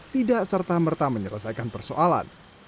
tidak serta merta menyelesaikan persoalan